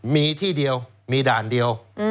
มีที่เดียวมีด่านเดียว